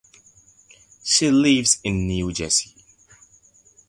She lives in New Jersey.